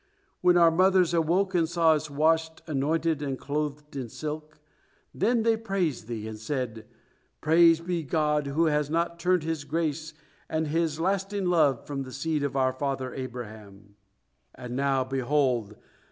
When our mothers awoke and saw us washed, anointed, and clothed in silk, then they praised Thee, and said, 'Praise be God who has not turned His grace and His lasting love from the seed of our father Abraham; and now behold!